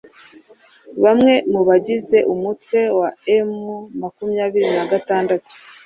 bamwe mu bagize umutwe wa M makumyabiri nagatandatu